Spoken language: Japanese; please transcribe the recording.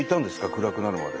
暗くなるまで。